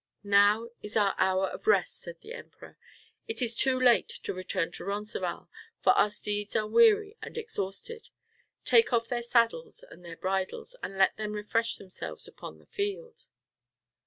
"Now is the hour of rest," said the Emperor. "It is too late to return to Roncesvalles, for our steeds are weary and exhausted. Take off their saddles and their bridles, and let them refresh themselves upon the field."